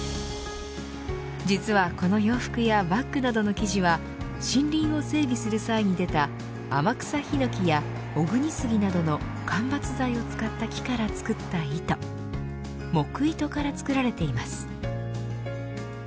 実はこの洋服やバッグなどの生地は森林を整備する際に出た天草ヒノキや小国杉などの間伐材を使った木から作った糸木糸から作られています。